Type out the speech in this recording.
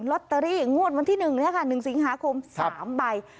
ลอตเตอรี่งวดวันที่๑นี้ค่ะ๑สิงหาคม๓ใบ